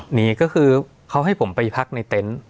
หนีก็คือเขาให้ผมไปพักในเต็นต์